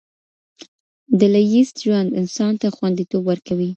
ډله ييز ژوند انسان ته خونديتوب ورکوي.